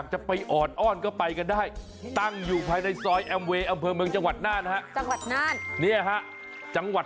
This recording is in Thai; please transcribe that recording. จำชื่อให้ดีนะ